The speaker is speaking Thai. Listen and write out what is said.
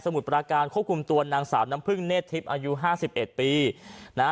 มุดปราการควบคุมตัวนางสาวน้ำพึ่งเศษทิพย์อายุห้าสิบเอ็ดปีนะฮะ